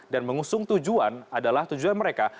dan mengusung tujuan adalah tujuan mereka